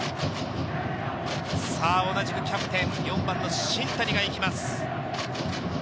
同じくキャプテン・４番の新谷が行きます。